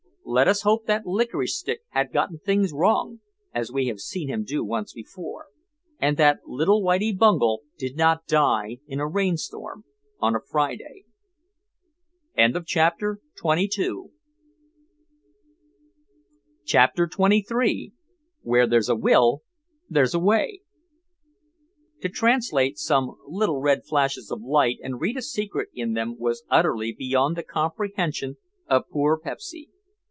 Let us hope that Licorice Stick had gotten things wrong (as we have seen him do once before) and that little Whitie Bungel did not die in a rainstorm on a Friday. CHAPTER XXIII WHERE THERE'S A WILL THERE'S A WAY To translate some little red flashes of light and read a secret in them was utterly beyond the comprehension of poor Pepsy.